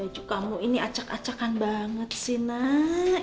baju kamu ini acak acakan banget sih nak